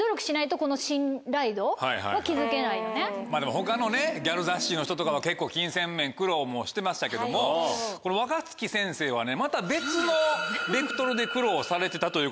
他のギャル雑誌の人とかは結構金銭面苦労もしてましたけども若槻先生はまた別のベクトルで苦労されてたということで。